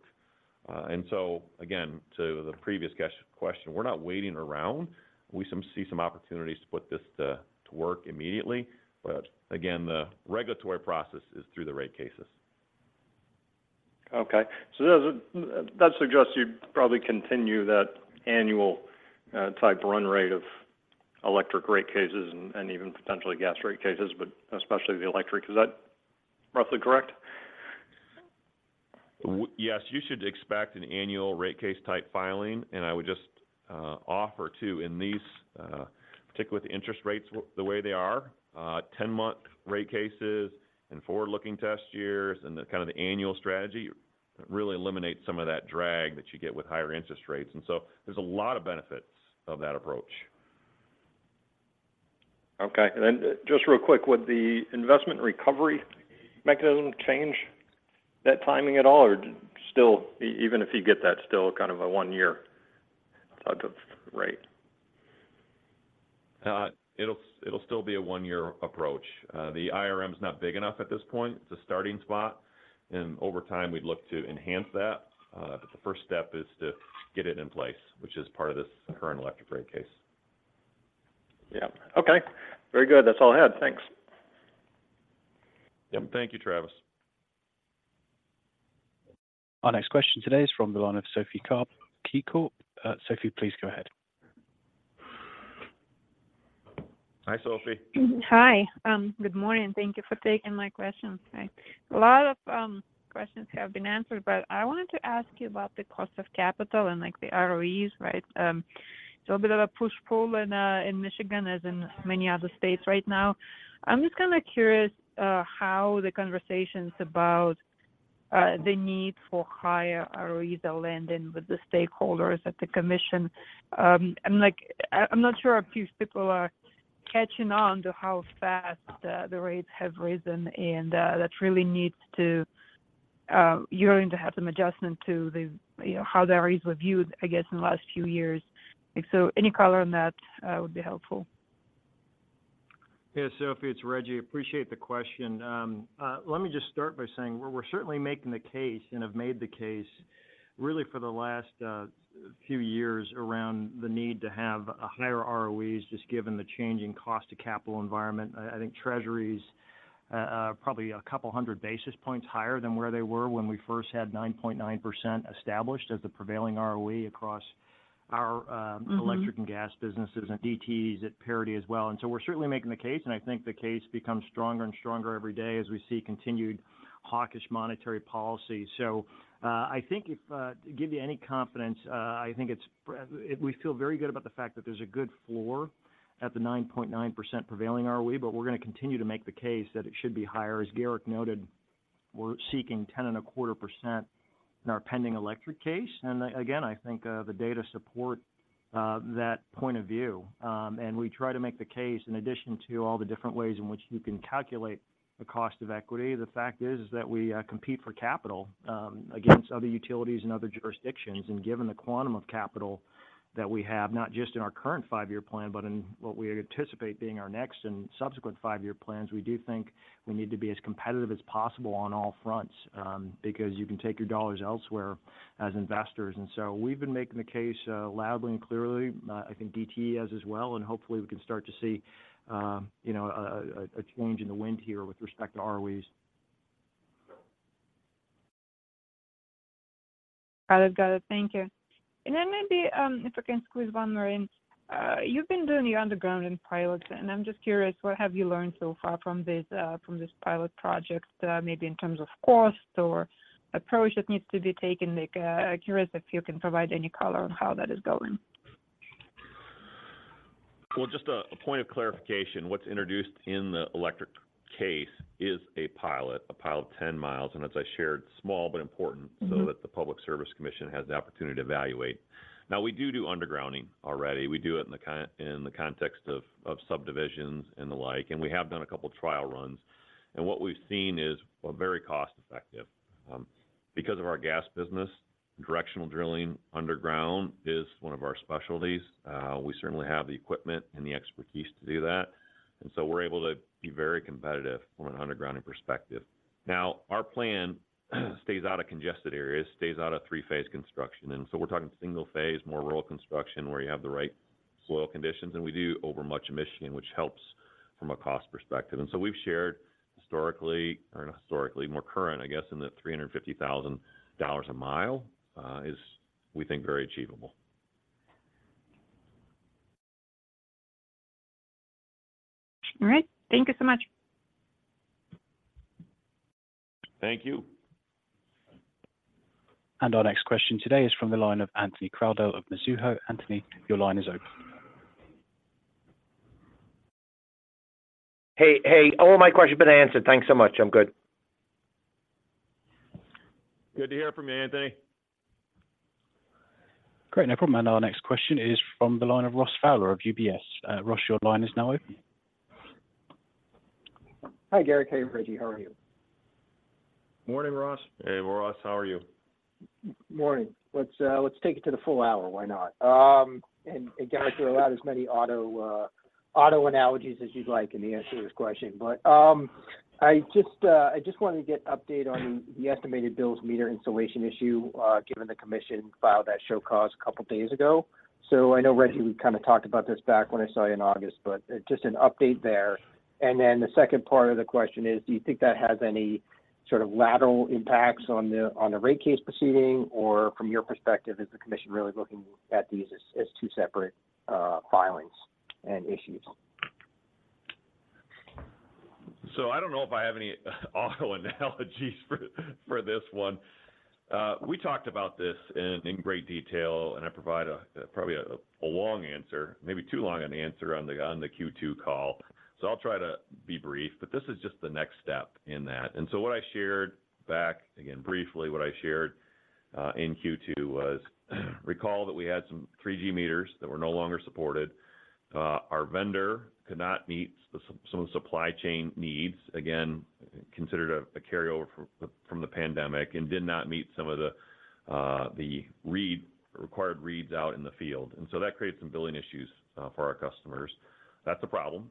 And so again, to the previous question, we're not waiting around. We see some opportunities to put this to work immediately, but again, the regulatory process is through the rate cases. Okay. That suggests you'd probably continue that annual type run rate of electric rate cases and, and even potentially gas rate cases, but especially the electric. Is that roughly correct? Yes, you should expect an annual rate case-type filing, and I would just offer, too, in these, particularly with the interest rates the way they are, 10-month rate cases and forward-looking test years and the kind of the annual strategy, really eliminates some of that drag that you get with higher interest rates, and so there's a lot of benefits of that approach. Okay. And then just real quick, would the Investment Recovery Mechanism change that timing at all, or still, even if you get that, still kind of a one-year type of rate? It'll still be a one-year approach. The IRM is not big enough at this point. It's a starting spot, and over time, we'd look to enhance that. But the first step is to get it in place, which is part of this current electric rate case. Yeah. Okay. Very good. That's all I had. Thanks. Yep. Thank you, Travis. Our next question today is from the line of Sophie Karp, KeyBanc. Sophie, please go ahead. Hi, Sophie. Hi. Good morning. Thank you for taking my questions. A lot of questions have been answered, but I wanted to ask you about the cost of capital and, like, the ROEs, right? So a bit of a push-pull in Michigan, as in many other states right now. I'm just kinda curious how the conversations about the need for higher ROEs are landing with the stakeholders at the commission. And, like, I'm not sure a few people are catching on to how fast the rates have risen, and that really needs to yearning to have some adjustment to the, you know, how the ROEs were viewed, I guess, in the last few years. So any color on that would be helpful. Yeah, Sophie, it's Rejji. Appreciate the question. Let me just start by saying we're certainly making the case and have made the case really for the last few years around the need to have higher ROEs, just given the changing cost of capital environment. I think treasuries are probably a couple hundred basis points higher than where they were when we first had 9.9% established as the prevailing ROE across our- Mm-hmm... electric and gas businesses and DTE's at parity as well. We're certainly making the case, and I think the case becomes stronger and stronger every day as we see continued hawkish monetary policy. I think if, to give you any confidence, I think we feel very good about the fact that there's a good floor at the 9.9% prevailing ROE, but we're going to continue to make the case that it should be higher, as Garrick noted. We're seeking 10.25% in our pending electric case. Again, I think the data support that point of view. And we try to make the case, in addition to all the different ways in which you can calculate the cost of equity, the fact is, is that we compete for capital against other utilities in other jurisdictions. And given the quantum of capital that we have, not just in our current five-year plan, but in what we anticipate being our next and subsequent five-year plans, we do think we need to be as competitive as possible on all fronts because you can take your dollars elsewhere as investors. And so we've been making the case loudly and clearly. I think DTE has as well, and hopefully, we can start to see, you know, a change in the wind here with respect to ROEs. Got it. Got it. Thank you. And then maybe, if I can squeeze one more in. You've been doing the undergrounding pilot, and I'm just curious, what have you learned so far from this, from this pilot project, maybe in terms of cost or approach that needs to be taken? Like, curious if you can provide any color on how that is going. Well, just a point of clarification. What's introduced in the electric case is a pilot 10 mi, and as I shared, small but important- Mm-hmm... so that the Public Service Commission has the opportunity to evaluate. Now, we do do undergrounding already. We do it in the context of subdivisions and the like, and we have done a couple trial runs. And what we've seen is we're very cost-effective. Because of our gas business, directional drilling underground is one of our specialties. We certainly have the equipment and the expertise to do that, and so we're able to be very competitive from an undergrounding perspective. Now, our plan stays out of congested areas, stays out of three-phase construction, and so we're talking single-phase, more rural construction, where you have the right soil conditions, and we do over much of Michigan, which helps from a cost perspective. And so we've shared historically or not historically, more current, I guess, in the $350,000 a mile, is, we think, very achievable. All right, thank you so much. Thank you. Our next question today is from the line of Anthony Crowdell of Mizuho. Anthony, your line is open. Hey, hey. All my questions have been answered. Thanks so much. I'm good. Good to hear from you, Anthony. Great. No problem. And our next question is from the line of Ross Fowler of UBS. Ross, your line is now open. Hi, Garrick. Hey, Rejji, how are you? Morning, Ross. Hey, Ross, how are you? Morning. Let's take it to the full hour, why not? And, Garrick, you're allowed as many auto analogies as you'd like in the answer to this question. But, I just wanted to get update on the estimated bills meter installation issue, given the commission filed that show cause a couple days ago. So I know, Rejji, we kind of talked about this back when I saw you in August, but, just an update there. And then the second part of the question is: Do you think that has any sort of lateral impacts on the rate case proceeding, or from your perspective, is the commission really looking at these as two separate filings and issues? So I don't know if I have any auto analogies for this one. We talked about this in great detail, and I provide a probably long answer, maybe too long an answer on the Q2 call, so I'll try to be brief. But this is just the next step in that. And so what I shared back, again, briefly, what I shared in Q2 was: Recall that we had some 3G meters that were no longer supported. Our vendor could not meet some of the supply chain needs, again, considered a carryover from the pandemic and did not meet some of the required reads out in the field, and so that created some billing issues for our customers. That's a problem,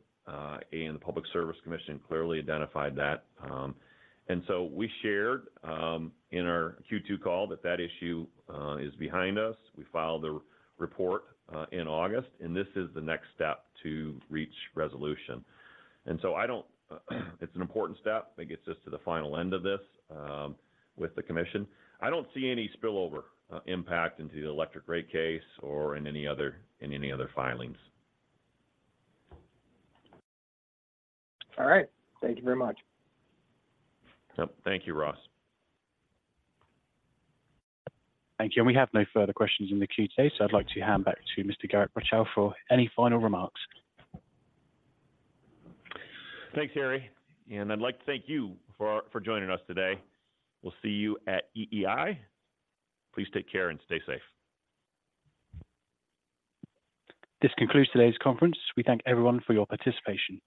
and the Public Service Commission clearly identified that. We shared in our Q2 call that that issue is behind us. We filed the report in August, and this is the next step to reach resolution. I don't... It's an important step that gets us to the final end of this with the commission. I don't see any spillover impact into the electric rate case or in any other, in any other filings. All right. Thank you very much. Yep. Thank you, Ross. Thank you, and we have no further questions in the queue today, so I'd like to hand back to Mr. Garrick Rochow for any final remarks. Thanks, Harry, and I'd like to thank you for joining us today. We'll see you at EEI. Please take care and stay safe. This concludes today's conference. We thank everyone for your participation.